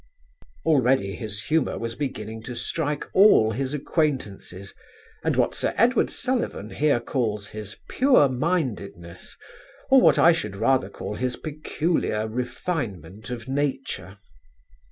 '" Already his humour was beginning to strike all his acquaintances, and what Sir Edward Sullivan here calls his "puremindedness," or what I should rather call his peculiar refinement of nature.